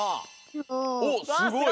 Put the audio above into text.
おっすごい！